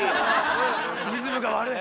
リズムが悪い！